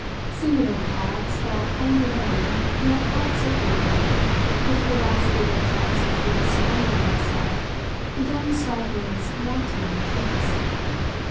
Singular perhaps that only then yet quite certainly then the curiosity to which I had so freely surrendered myself began to strike me as wanting in taste.